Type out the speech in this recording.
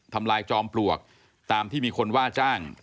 ทำลายจอมปลวกตามที่มีคนว่าจ้าง